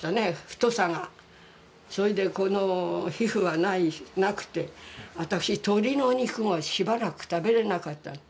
太さが、それで皮膚はなくて私、鶏の肉がしばらく食べられなかった。